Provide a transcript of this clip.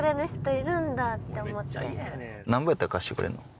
なんぼやったら貸してくれるの？